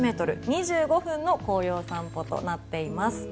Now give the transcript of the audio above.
２５分の紅葉散歩となっています。